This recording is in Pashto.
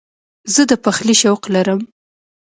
زه د پخلي شوق لرم.